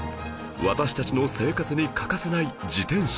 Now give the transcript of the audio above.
私たちの生活に欠かせない自転車